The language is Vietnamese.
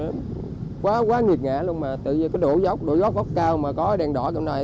thật quá nghiệt ngã luôn mà tự nhiên cái đổ dốc đổ dốc góc cao mà có đèn đỏ trong này